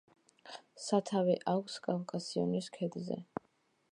სათავე აქვს კავკასიონის ქედზე.